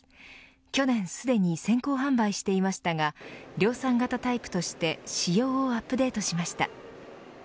去年すでに先行販売していましたが量産型タイプとして仕様をアップデートしました。